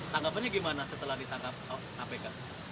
tanggapannya gimana setelah ditangkap kpk